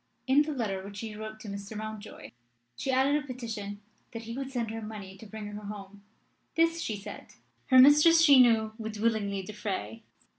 In the letter which she wrote to Mr. Mountjoy she added a petition that he would send her money to bring her home. This, she said, her mistress she knew would willingly defray.